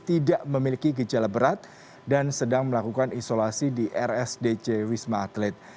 tidak memiliki gejala berat dan sedang melakukan isolasi di rsdc wisma atlet